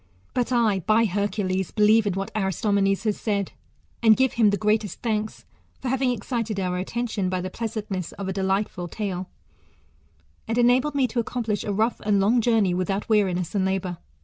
But I, by Hercules, believe in whac Aristomenes has said, and give him the greatest thanks, for having excited our attention by the pleasantness of a de lightful tale ; and enabled me to accomplish a rough and' long journey without weariness and labour.